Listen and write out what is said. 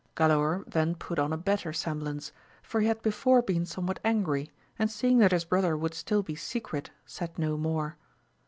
Galaor then put on a better sem blance, for he had before been somewhat angry, and seeing that his brother would still be secret, said no more.